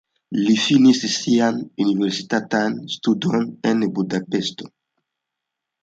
Li finis siajn universitatajn studojn en Budapeŝto.